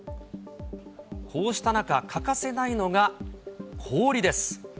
こうした中、欠かせないのが氷です。